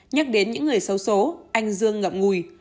nhắc đến những người xấu xố anh dương ngậm ngùi